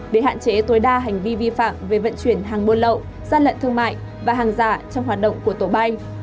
để hạn chế tối đa hành vi vi phạm về vận chuyển hàng buôn lậu gian lận thương mại và hàng giả trong hoạt động của tổ bay